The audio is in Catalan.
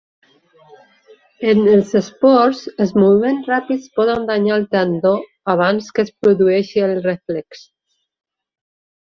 En els esports, els moviments ràpids poden danyar el tendó abans que es produeixi el reflex.